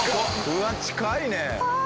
うわ近いね。